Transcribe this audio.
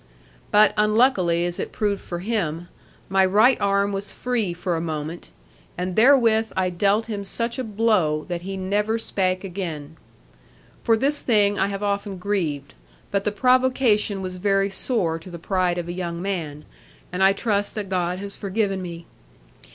But, unluckily as it proved for him, my right arm was free for a moment; and therewith I dealt him such a blow, that he never spake again. For this thing I have often grieved; but the provocation was very sore to the pride of a young man; and I trust that God has forgiven me.